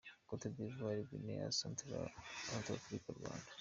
Cote d’Ivoire, Guinea, Centrafrique, Rwanda